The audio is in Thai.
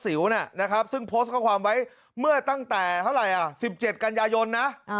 สิวนะครับซึ่งโพสต์ข้อความไว้เมื่อตั้งแต่เท่าไหร่๑๗กันยายนนะ